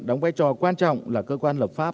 đóng vai trò quan trọng là cơ quan lập pháp